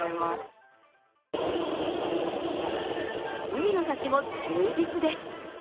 海の幸も充実です。